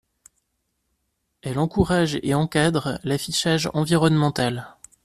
Elle encourage et encadre l'affichage environnemental.